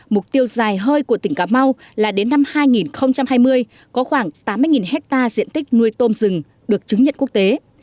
mục tiêu dài hơi của tỉnh cà mau là đến năm hai nghìn hai mươi có khoảng tám mươi hectare diện tích nuôi tôm rừng được chứng nhận quốc tế